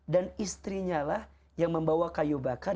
dan istrinya lah yang membawa kayu bakar